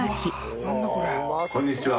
こんにちは。